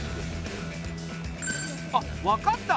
あっ分かった。